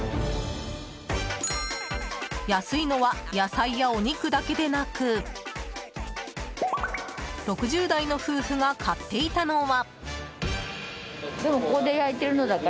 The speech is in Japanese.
安いのは野菜やお肉だけでなく６０代の夫婦が買っていたのは。